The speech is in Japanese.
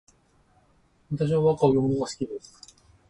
私は和歌を詠むのが好きです